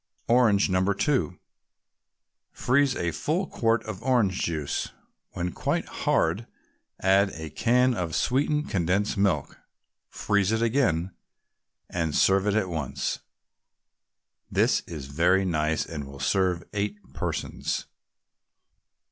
ORANGE, No. 2 Freeze a full quart of orange juice. When quite hard, add a can of sweetened condensed milk, freeze it again, and serve at once. This is very nice and will serve eight persons.